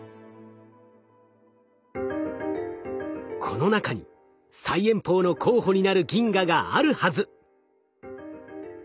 この中に最遠方の候補になる銀河があるはず！